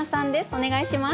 お願いします。